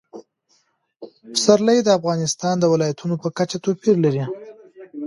پسرلی د افغانستان د ولایاتو په کچه توپیر لري.